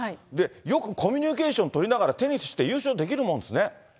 よくコミュニケーション取りながらテニスして、優勝できるもんですね。